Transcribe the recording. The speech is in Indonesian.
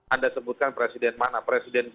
anda sebutkan presiden mana presiden